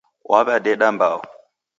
W'aw'adeda mbao.